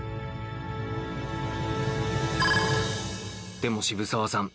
でも渋沢さん